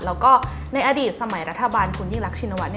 แล้วก็ในอดีตสมัยรัฐบาลคุณยิ่งรักชินวัฒน์